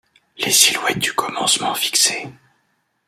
Les silhouettes du commencement fixées